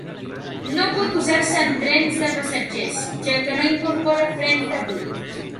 No pot usar-se en trens de passatgers ja que no incorpora frens de buid.